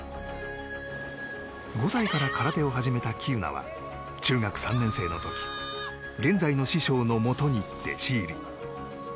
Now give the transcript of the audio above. ５歳から空手を始めた喜友名は中学３年生の時現在の師匠のもとに弟子入り。